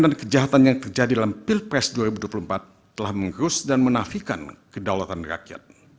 dan kejahatan yang terjadi dalam pilpres dua ribu dua puluh empat telah menggerus dan menafikan kedaulatan rakyat